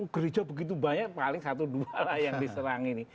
gereja begitu banyak paling satu dua lah yang diserang ini